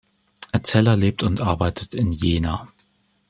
Zeller lebt und arbeitet in Jena.